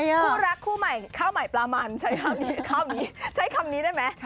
คู่รักคู่ใหม่ข้าวใหม่ปลามันใช้คำนี้ข้าวนี้ใช้คำนี้ได้ไหม